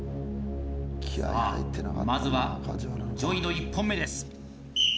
さあまずはＪＯＹの１本目です